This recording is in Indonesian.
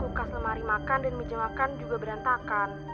kulkas lemari makan dan menjengakan juga berantakan